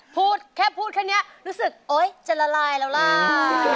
พูดเค่าพูดแค่เนี้ยจะละลายล่า